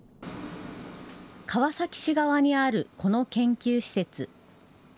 川崎市側にあるこの研究施設。